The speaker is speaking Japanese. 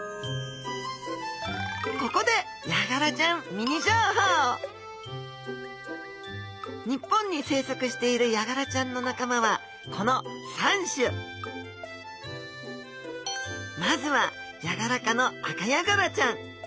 ここでヤガラちゃんミニ情報日本に生息しているヤガラちゃんの仲間はこの３種まずはヤガラ科のアカヤガラちゃん。